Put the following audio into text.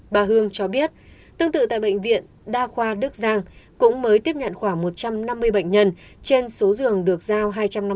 bà hương cho biết tương tự tại bệnh viện đa khoa đức giang cũng mới tiếp nhận khoảng một trăm năm mươi bệnh nhân trên số giường được giao hai trăm năm mươi